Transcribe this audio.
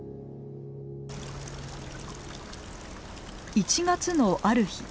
１月のある日。